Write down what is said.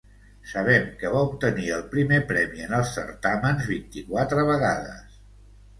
Sabem que va obtenir el primer premi en els certàmens vint-i-quatre vegades.